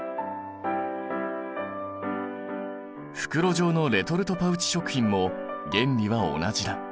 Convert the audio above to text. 袋状のレトルトパウチ食品も原理は同じだ。